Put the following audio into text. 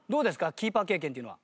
キーパー経験っていうのは。